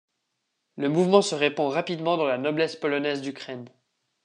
Le mouvement se répand rapidement dans la noblesse polonaise d'Ukraine.